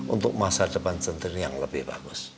untuk masa depan sendiri yang lebih bagus